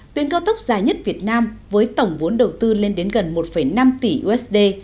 tuyến cao tốc dài nhất việt nam với tổng vốn đầu tư lên đến gần một năm tỷ usd